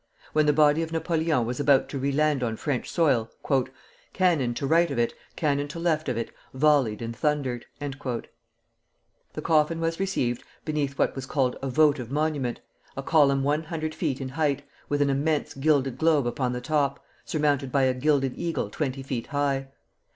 When the body of Napoleon was about to re land on French soil, "cannon to right of it, cannon to left of it, volleyed and thundered." The coffin was received beneath what was called a votive monument, a column one hundred feet in height, with an immense gilded globe upon the top, surmounted by a gilded eagle twenty feet high.